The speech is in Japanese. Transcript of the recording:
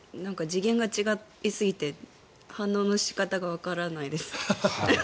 次元が違いすぎて反応の仕方がわからないです。